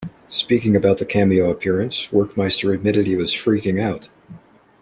Speaking about the cameo appearance, Werkmeister admitted he was "freaking out".